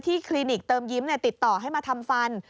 คลินิกเติมยิ้มติดต่อให้มาทำฟัน